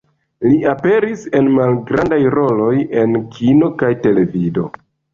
Li aperis en malgrandaj roloj en kino kaj televido.